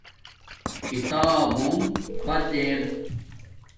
کتابونݣ فت ارا